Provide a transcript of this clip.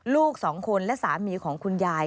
ลูกสองคนและสามีของคุณยาย